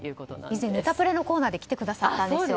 以前ネタプレのコーナーで来てくれたんです。